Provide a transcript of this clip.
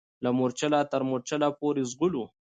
له مورچله تر مورچله پوري ځغلو